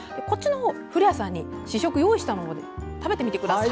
古谷さんに試食を用意したので食べてみてください。